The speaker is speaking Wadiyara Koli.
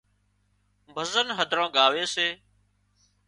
ڀزن هڌران ڳاوي سي